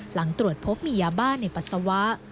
หลังตรวจพบมียาบ้าในปัสสาวะ